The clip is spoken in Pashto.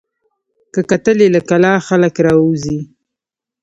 که کتل یې له کلا خلک راوزي